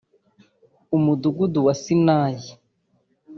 umudugudu wa Sinayi